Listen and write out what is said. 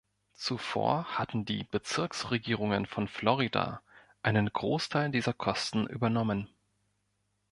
Zuvor hatten die Bezirksregierungen von Florida einen Großteil dieser Kosten übernommen.